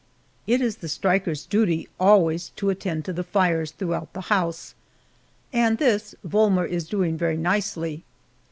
It is the striker's duty always to attend to the fires throughout the house, and this Volmer is doing very nicely.